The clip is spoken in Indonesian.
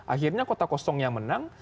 akhirnya kota kosong yang menang